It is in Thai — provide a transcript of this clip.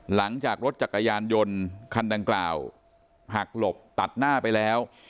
หลังจากรถจักรยานยนต์คันดังกล่าวหักหลบตัดหน้าไปแล้ว